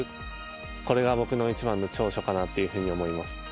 これが僕の一番の長所かなというふうに思います。